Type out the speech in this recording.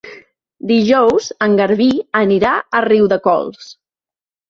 Dijous en Garbí anirà a Riudecols.